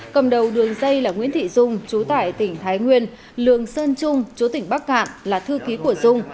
cầm đầu đường dây là nguyễn thị dung chú tải tỉnh thái nguyên lương sơn trung chú tỉnh bắc cạn là thư ký của dung